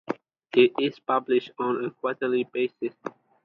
It is published on a quarterly basis.